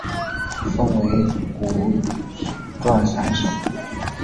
分为古传散手。